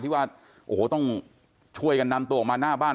ที่ว่าโอ้โหต้องช่วยกันนำตัวออกมาหน้าบ้าน